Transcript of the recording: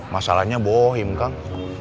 masalahnya bohem kang